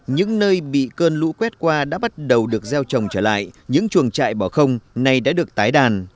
những nơi bị cơn lũ quét qua đã bắt đầu được gieo trồng trở lại những chuồng trại bỏ không nay đã được tái đàn